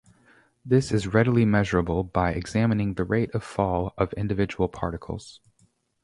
This is readily measurable by examining the rate of fall of individual particles.